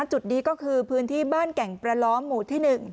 จุดนี้ก็คือพื้นที่บ้านแก่งประล้อมหมู่ที่๑